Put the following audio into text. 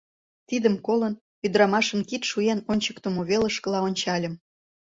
Тидым колын, ӱдырамашын кид шуен ончыктымо велышкыла ончальым.